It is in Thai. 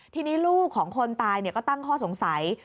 ทีนี้ลูกของคนตายก็ตั้งข้อสงสัย